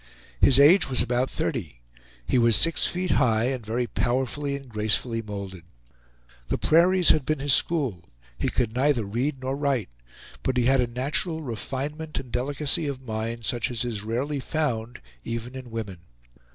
His age was about thirty; he was six feet high, and very powerfully and gracefully molded. The prairies had been his school; he could neither read nor write, but he had a natural refinement and delicacy of mind such as is rarely found, even in women.